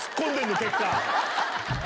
結果。